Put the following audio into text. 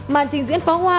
màn trình diễn phá hoa